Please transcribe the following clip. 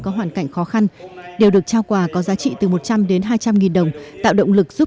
có hoàn cảnh khó khăn điều được trao quà có giá trị từ một trăm linh đến hai trăm linh nghìn đồng tạo động lực giúp